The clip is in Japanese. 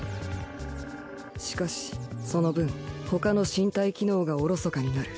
しかしその分他の身体機能がおろそかになる。